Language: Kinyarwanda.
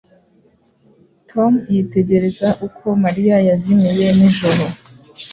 Tom yitegereza uko Mariya yazimiye nijoro